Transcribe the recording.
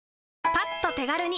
パッと手軽に！